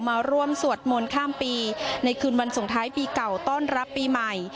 มาร่วมสวดมนต์ข้ามปีในคืนวันส่งท้ายปีเก่าต้อนรับปีใหม่